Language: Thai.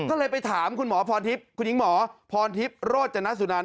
ก็เลยไปถามคุณหมอพรทิพย์คุณหญิงหมอพรทิพย์โรจนสุนัน